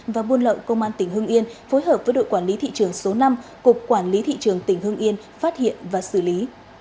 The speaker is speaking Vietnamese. và buôn lậu công an tỉnh hưng yên phối hợp với đội quản lý thị trường số năm cục quản lý thị trường tỉnh hưng yên phát hiện và xử lý